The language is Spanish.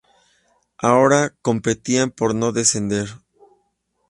Ahora competían por no descender.